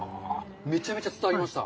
めちゃめちゃ伝わりました。